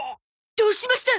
どうしました？